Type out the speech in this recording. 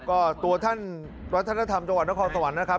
ก็ตัวท่านวัฒนธรรมจังหวัดนครสวรรค์นะครับ